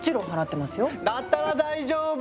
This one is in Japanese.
だったら大丈夫！